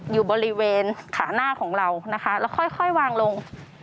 อยู่บริเวณขาหน้าของเรานะคะแล้วค่อยวางลง